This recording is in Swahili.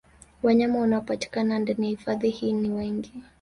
Wanyama wanaopatikana ndani ya hifadhi hii ni wengi